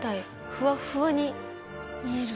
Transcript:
ふわっふわに見える。